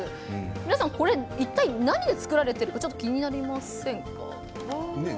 皆さん、一体何で作られているか気になりませんか？